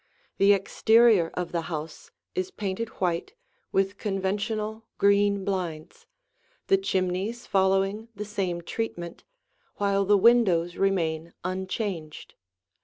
The exterior of the house is painted white with conventional green blinds, the chimneys following the same treatment, while the windows remain unchanged.